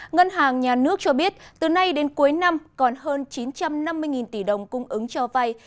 ngân hàng nhà nước cho biết từ nay đến cuối năm còn hơn chín trăm năm mươi tỷ đồng cung ứng cho vay